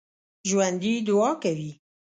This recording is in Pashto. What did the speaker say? ژوندي دعا کوي